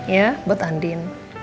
ya buat andin